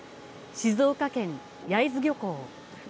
静岡県・焼津漁港。